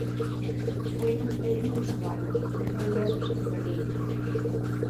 Foi nun pleno inusual, nun Congreso semibaleiro.